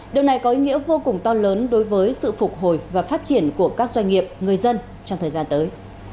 điều này có ý nghĩa vô cùng to lớn đối với sự phục hồi và phát triển của các doanh nghiệp người dân trong thời gian tới